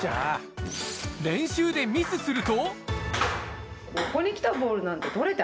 練習でミスすると。